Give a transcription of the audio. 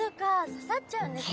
刺さっちゃうんですね。